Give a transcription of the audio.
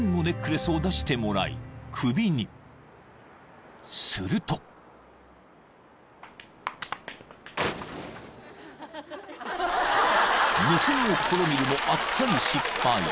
［盗みを試みるもあっさり失敗］